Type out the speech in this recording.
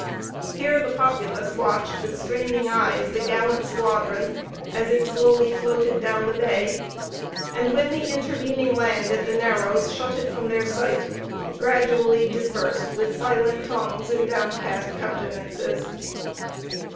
Here the populace watched with straining eyes the gallant squadron, as it slowly floated down the bay, and when the intervening land at the Narrows shut it from their sight, gradually dispersed with silent tongues and downcast countenances.